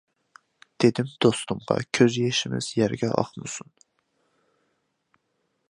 دېدىم دوستۇمغا كۆز يېشىمىز يەرگە ئاقمىسۇن.